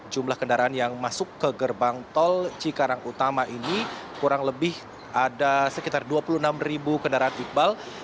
jumlah kendaraan yang masuk ke gerbang tol cikarang utama ini kurang lebih ada sekitar dua puluh enam ribu kendaraan iqbal